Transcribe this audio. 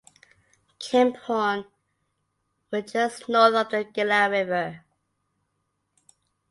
Camp Horn was just north of the Gila River.